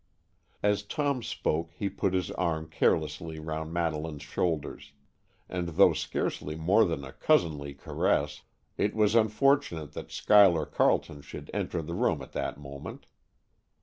As Tom spoke he put his arm carelessly round Madeleine's shoulders, and though scarcely more than a cousinly caress, it was unfortunate that Schuyler Carleton should enter the room at that moment.